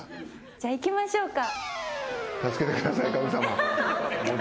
じゃあいきましょうか。